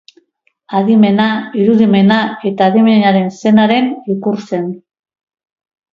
Adimena, irudimena eta adimenaren senaren ikur zen.